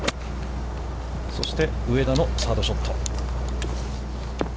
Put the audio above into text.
そして上田のサードショット。